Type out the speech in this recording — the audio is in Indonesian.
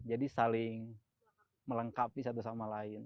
jadi saling melengkapi satu sama lain